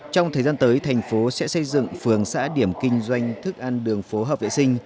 trong thời gian tới thành phố sẽ xây dựng phường xã điểm kinh doanh thức ăn đường phố hợp vệ sinh